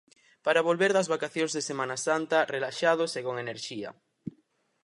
Para volver das vacacións de Semana Santa relaxados e con enerxía.